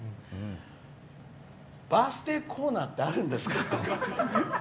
バースデーコーナーってあるんですか？